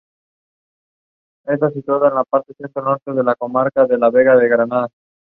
Eso es poder.